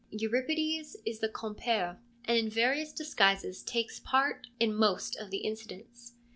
Euripides is the ' compere,' and in various disguises takes part in most of the incidents.